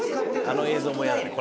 あの映像もやだね。